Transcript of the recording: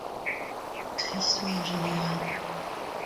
Trist e oa ar Jeneral.